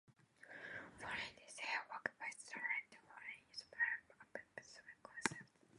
Following this he worked with Donald Davies on his pioneering packet switching concepts.